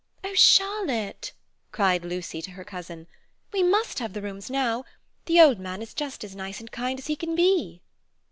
"Oh, Charlotte," cried Lucy to her cousin, "we must have the rooms now. The old man is just as nice and kind as he can be."